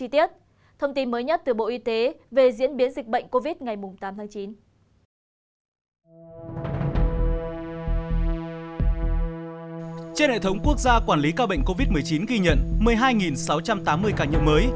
trên hệ thống quốc gia quản lý ca bệnh covid một mươi chín ghi nhận một mươi hai sáu trăm tám mươi ca nhiễm mới